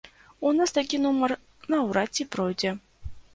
У нас такі нумар наўрад ці пройдзе.